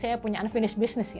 saya punya unfinished business